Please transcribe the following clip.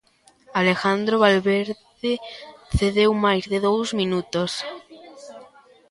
Alejandro Valverde cedeu máis de dous minutos.